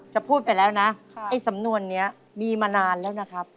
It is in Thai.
จะพูดไปแล้วนะไอ้สำนวนนี้มีมานานแล้วนะครับ